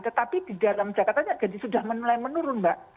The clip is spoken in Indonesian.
tetapi di dalam jakarta saja jadi sudah mulai menurun mbak